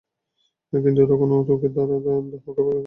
কিন্তু তখন তোকে আর ধানামকে দেখি।